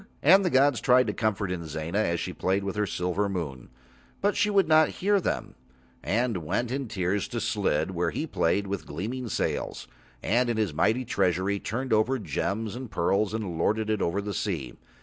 And the gods tried to comfort Inzana as she played with her silver moon, but she would not hear Them, and went in tears to Slid, where he played with gleaming sails, and in his mighty treasury turned over gems and pearls and lorded it over the sea.